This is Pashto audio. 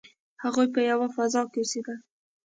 هغوی په یوه فضا کې اوسیدل.